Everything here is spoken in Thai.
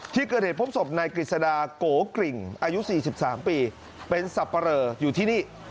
ที่เกิดเหตุพบสมในกฤษดาโก๋กริ่งอายุสี่สิบสามปีเป็นสับปะเรออยู่ที่นี่